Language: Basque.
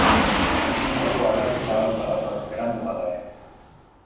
Agindutako aldaketa hau badator, berandu bada ere.